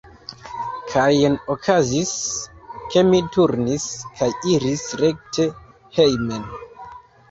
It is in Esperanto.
Kaj jen okazis, ke mi turnis kaj iris rekte hejmen.